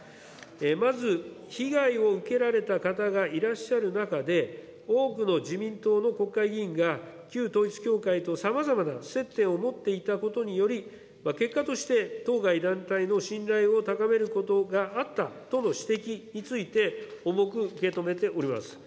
まず、被害を受けられた方がいらっしゃる中で、多くの自民党の国会議員が、旧統一教会とさまざまな接点を持っていたことにより、結果として当該団体の信頼を高めることがあったとの指摘について、重く受け止めております。